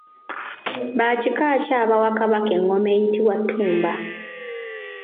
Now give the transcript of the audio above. Ba kika ki abaawa Kabaka engoma eyitibwa Ttumba.